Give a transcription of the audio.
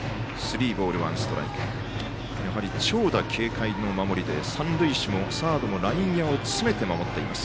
長打警戒の守りで三塁手もライン際を詰めて守っています。